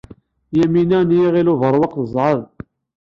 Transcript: Yamina n Yiɣil Ubeṛwaq tezɛeḍ.